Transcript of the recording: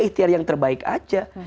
ihtiar yang terbaik saja